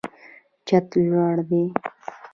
چت لوړ دی.